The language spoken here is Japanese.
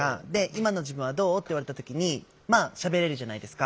「今の自分はどう？」って言われた時にまあしゃべれるじゃないですか。